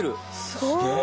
すげえ！